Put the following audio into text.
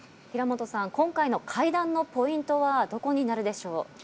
今回の会談のポイントはどこになるでしょう？